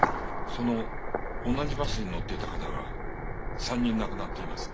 その同じバスに乗っていた方が３人亡くなっています。